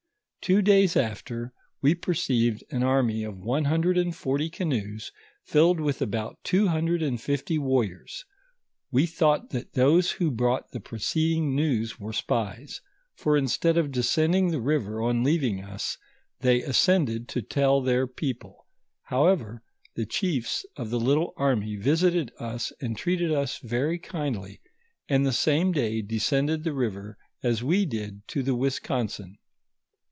Two days after, we perceived an army of one hundred and forty canoes, filled with about two hundred and fifty war riors; we thought that those who brought the preceding news were spies, fi»r instead of descending the river on leav ing us, they ascended to tell their people; however, the chiefs of the little army visited us and treated us very kindly, and the same day descended the river as we did to the Ouis consin.